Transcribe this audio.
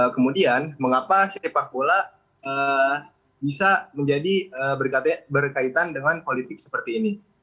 kemudian mengapa sepak bola bisa menjadi berkaitan dengan politik seperti ini